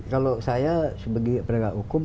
kalau saya sebagai penegak hukum